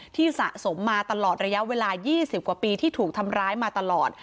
สะสมมาตลอดระยะเวลา๒๐กว่าปีที่ถูกทำร้ายมาตลอด